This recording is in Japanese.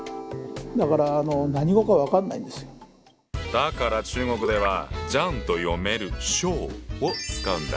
だから中国ではジャンと読める「将」を使うんだ。